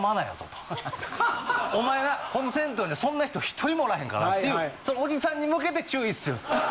お前なこの銭湯にはそんな人１人もおらへんからなっていうそのおじさんに向けて注意してるんす。